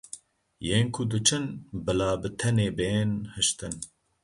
Yên ku diçin bila bi tenê bên hiştin.